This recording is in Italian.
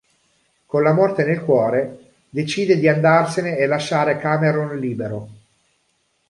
Con la morte nel cuore, decide di andarsene e lasciare Cameron libero.